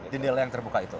jendela yang terbuka itu